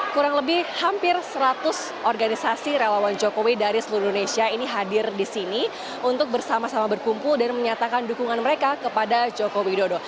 kurang lebih hampir seratus organisasi relawan jokowi dari seluruh indonesia ini hadir di sini untuk bersama sama berkumpul dan menyatakan dukungan mereka kepada jokowi dodo